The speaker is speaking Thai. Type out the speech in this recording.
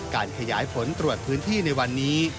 การขยายผลตรวจพื้นที่ในวันนี้